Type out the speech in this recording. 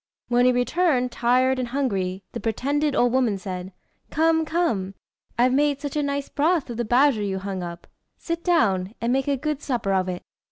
When he returned, tired and hungry, the pretended old woman said "Come, come; I've made such a nice broth of the badger you hung up. Sit down, and make a good supper of it."